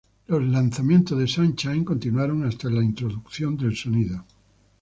Los lanzamientos de Sunshine continuaron hasta la introducción del sonido.